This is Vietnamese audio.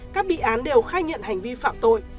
các bị án đều khai nhận hành vi phạm tội